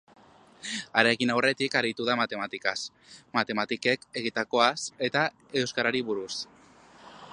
Hara egin aurretik aritu da matematikaz, matematikez egitekoaz eta euskarari buruz.